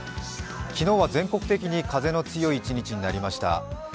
昨日は全国的に風の強い一日になりました。